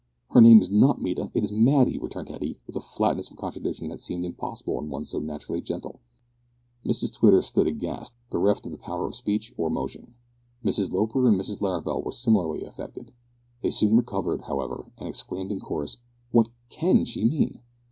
"Her name is not Mita, it is Matty," returned Hetty, with a flatness of contradiction that seemed impossible in one so naturally gentle. Mrs Twitter stood, aghast bereft of the power of speech or motion. Mrs Loper and Mrs Larrabel were similarly affected. They soon recovered, however, and exclaimed in chorus, "What can she mean?"